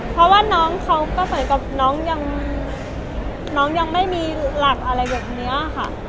เพราะว่าน้องเขาก็เหมือนกับน้องยังน้องยังไม่มีหลักอะไรแบบนี้ค่ะ